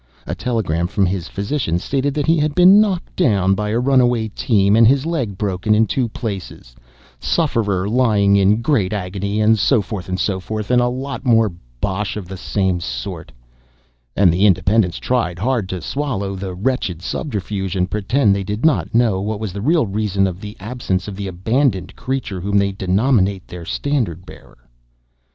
A telegram from his physician stated that he had been knocked down by a runaway team, and his leg broken in two places sufferer lying in great agony, and so forth, and so forth, and a lot more bosh of the same sort. And the Independents tried hard to swallow the wretched subterfuge, and pretend that they did not know what was the real reason of the absence of the abandoned creature whom they denominate their standard bearer.